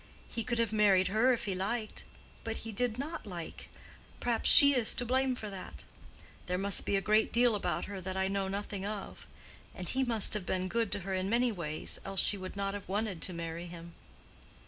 He could have married her if he liked; but he did not like. Perhaps she is to blame for that. There must be a great deal about her that I know nothing of. And he must have been good to her in many ways, else she would not have wanted to marry him."